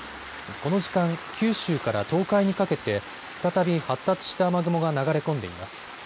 この時間、九州から東海にかけて再び発達した雨雲が流れ込んでいます。